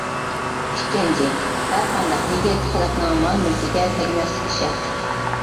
ئىككىنچى، ھەرقانداق يىگىت خەلقنىڭ مال-مۈلكىگە تەگمەسلىكى شەرت.